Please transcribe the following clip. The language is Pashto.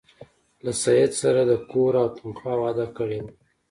له سید سره د کور او تنخوا وعده کړې وه.